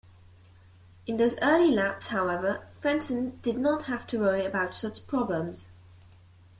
In those early laps, however, Frentzen did not have to worry about such problems.